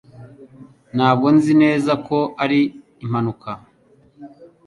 Ntabwo nzi neza ko ari impanuka